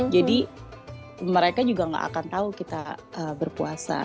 jadi mereka juga nggak akan tahu kita berpuasa